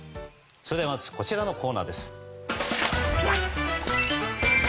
それではまずこちらのコーナーです。